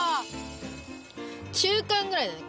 中間ぐらいだね